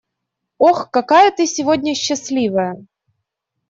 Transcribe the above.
Ох, какая ты сегодня счастливая!